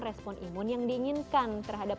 respon imun yang diinginkan terhadap